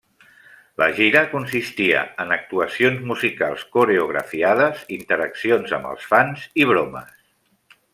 La gira consistia en actuacions musicals coreografiades, interaccions amb els fans i bromes.